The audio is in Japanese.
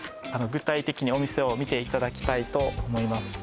具体的にお店を見ていただきたいと思います